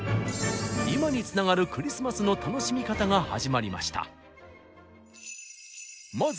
今につながるクリスマスの楽しみ方が始まりました。